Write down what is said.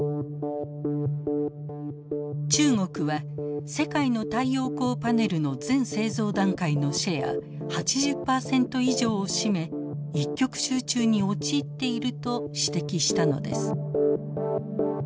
中国は世界の太陽光パネルの全製造段階のシェア８０％以上を占め一極集中に陥っていると指摘したのです。